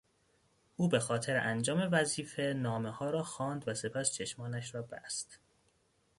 او به خاطر انجام وظیفه نامهها را خواند و سپس چشمانش را بست.